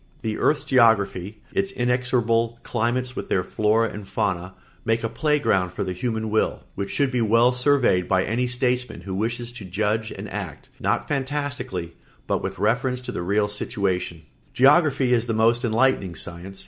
The earth's geography, its inexorable climates with their flora and fauna, make a play ground for the human will which should be well surveyed by any statesman who wishes to judge and act, not fantastically, but with reference to the real situation. Geography is a most enlightening science.